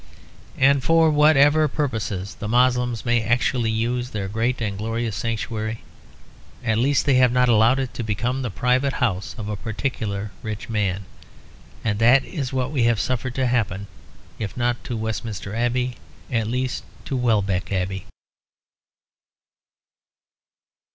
And for whatever purposes the Moslems may actually use their great and glorious sanctuary, at least they have not allowed it to become the private house of a particular rich man. And that is what we have suffered to happen, if not to Westminster Abbey, at least to Welbeck Abbey.